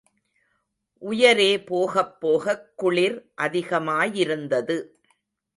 உயரே போகப் போகக் குளிர் அதிகமாயிருந்தது.